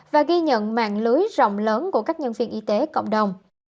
và ghi nhận mạng lưới rộng lớn của các nhân viên y tế cộng đồng